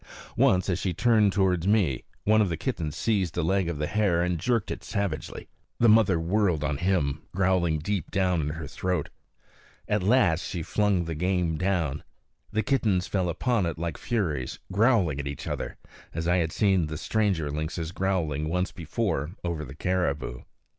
Once, as she turned toward me, one of the kittens seized a leg of the hare and jerked it savagely. The mother whirled on him, growling deep down in her throat; the youngster backed away, scared but snarling. At last she flung the game down. The kittens fell upon it like furies, growling at each other, as I had seen the stranger lynxes growling once before over the caribou.